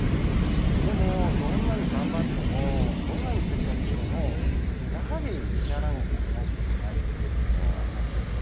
でも、どんなに頑張っても、どんなに節約しても、やはり、支払わなきゃいけないというものが、毎月、あります。